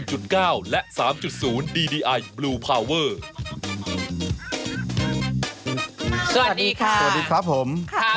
เช่าใส่ไข่สดใหม่